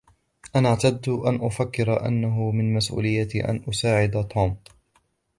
أنا اعتدت أن أفكر أنه من مسؤليتي أن أساعد توم.